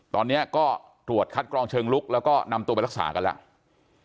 ตอนนี้ก็ตรวจคัดกรองเชิงลุกแล้วก็นำตัวไปรักษากันแล้ว